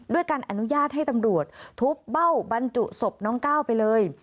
การอนุญาตให้ตำรวจทุบเบ้าบรรจุศพน้องก้าวไปเลย